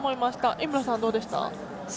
井村さんはどうでした？